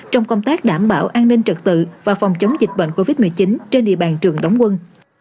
trong công tác đảm bảo an ninh trật tự và phòng chống dịch bệnh covid một mươi chín trên địa bàn trường đóng quân